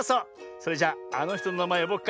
それじゃあのひとのなまえよぼうか。